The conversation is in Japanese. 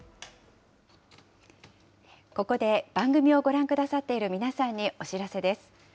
ここで番組をご覧くださっている皆さんにお知らせです。